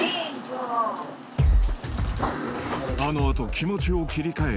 ［あの後気持ちを切り替え